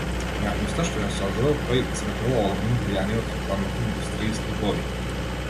Уметноста што ја создавал тој црпела огромно влијание од рекламната индустрија и стриповите.